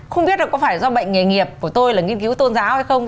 không biết là có phải do bệnh nghề nghiệp của tôi là nghiên cứu tôn giáo hay không